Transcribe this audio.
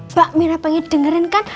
mbak mera pengen dengerin kan